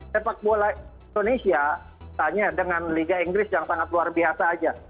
saya tanya dengan liga inggris yang sangat luar biasa aja